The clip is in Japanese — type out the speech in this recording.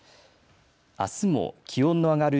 あすも気温の上がる